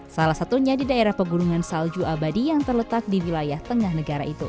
salah satunya di daerah pegunungan salju abadi yang terletak di wilayah tengah negara itu